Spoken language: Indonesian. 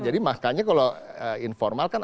jadi makanya kalau informal kan